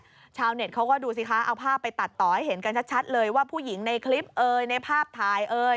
ชาวเน็ตเขาก็ดูสิคะเอาภาพไปตัดต่อให้เห็นกันชัดเลยว่าผู้หญิงในคลิปเอ่ยในภาพถ่ายเอ่ย